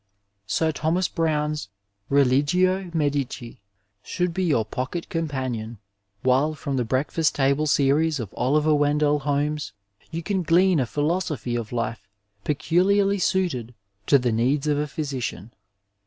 Sir Thomas Browne's Rdiffio Medici should be your pocket companion, while from the Breakfast Table Series of Oliver Wendell Holmes you can glean a philosophy of life peculiarly suited to the needs of a physician.